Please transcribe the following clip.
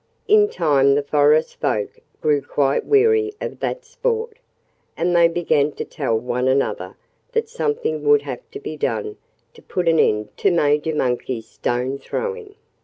In time the forest folk grew quite weary of that sport. And they began to tell one another that something would have to be done to put an end to Major Monkey's stone throwing.